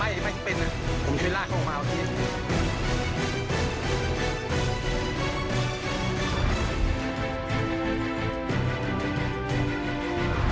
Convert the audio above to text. ไอ้แม่งเป็นผมเคยล่าเข้ามาเอาเฮีย